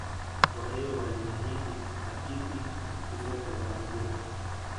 Wahehe waliahidi Kukabidhi bunduki zote za gobori